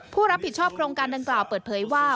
ผู้รับผิดชอบโครงการดังกล่าวเปิดเผยว่า